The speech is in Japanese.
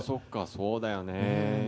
そうだよね。